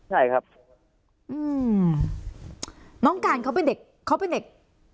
ใช่ครับอืมน้องการเขาเป็นเด็กเขาเป็นเด็ก